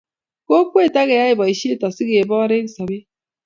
kokwet ak keyay boishet asigeboor eng sobet